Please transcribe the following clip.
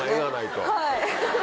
はい。